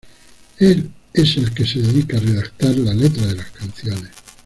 Él es el que se dedica a redactar la letra de las canciones.